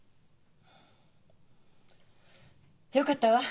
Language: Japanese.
よかったわ。